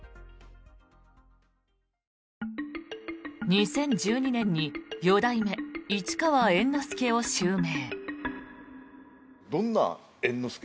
２０１２年に四代目市川猿之助を襲名。